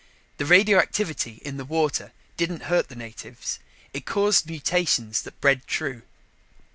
The radioactivity in the water didn't hurt the natives. It caused mutations that bred true.